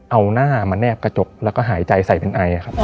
เอาหน้ามาแนบกระจกแล้วก็หายใจใส่เป็นไอครับ